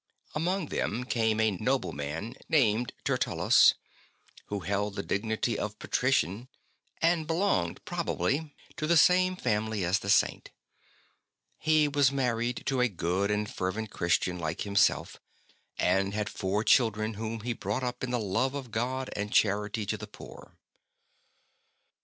Among them came a nobleman named Tertullus, who held the dignity of patrician, and belonged probably ST. BENEDICT 43 to the same family as the Saint. He was married to a good and fervent Christian Hke himself, and had four children whom he brought up in the love of God and charity to the poor.